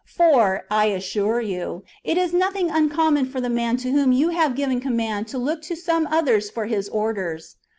For, I assure you, it is nothing uncommon for the man to whom you have given command to look to some other for his orders.